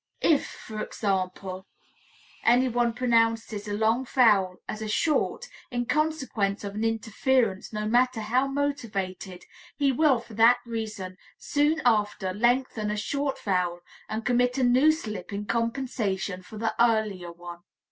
If, for example, anyone pronounces a long vowel as a short, in consequence of an interference no matter how motivated, he will for that reason soon after lengthen a short vowel and commit a new slip in compensation for the earlier one.